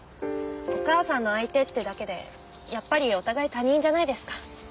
お母さんの相手ってだけでやっぱりお互い他人じゃないですか。